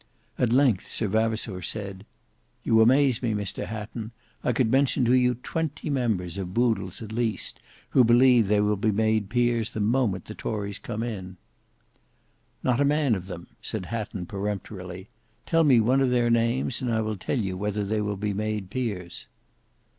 At length Sir Vavasour said, "You amaze me Mr Hatton. I could mention to you twenty members of Boodle's, at least, who believe they will be made peers the moment the tories come in." "Not a man of them," said Hatton peremptorily. "Tell me one of their names, and I will tell you whether they will be made peers."